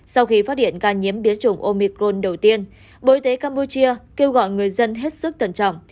sau khi phát hiện ca nhiễm biến chủng omicron đầu tiên bộ y tế campuchia kêu gọi người dân hết sức cẩn trọng